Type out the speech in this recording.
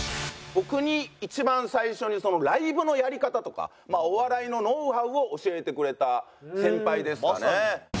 僕に一番最初にライブのやり方とかお笑いのノウハウを教えてくれた先輩ですかね。